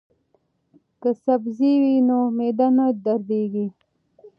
که سبزی وي نو معده نه دردیږي.